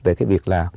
về cái việc là